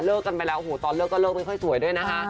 เลิกกันไปแล้วตอนเลิกก็เลิกไม่ค่อยสวยด้วยนะคะ